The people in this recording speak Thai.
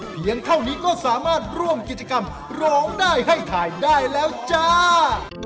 เพียงเท่านี้ก็สามารถร่วมกิจกรรมร้องได้ให้ถ่ายได้แล้วจ้า